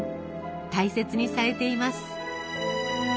大切にされています。